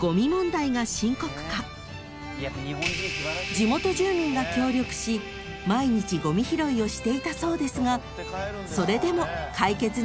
［地元住民が協力し毎日ごみ拾いをしていたそうですがそれでも］